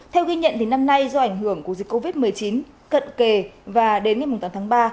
theo ghi nhận năm nay do ảnh hưởng của dịch covid một mươi chín cận kề và đến ngày tám tháng ba